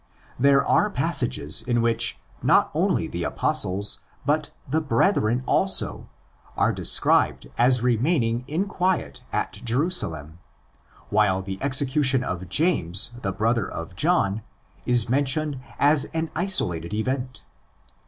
There are passages in which not only the Apostles, but '' the brethren "' also, are described as remaining in quiet at Jerusalem ; while the execution of James the brother of John is mentioned as an isolated event (xii.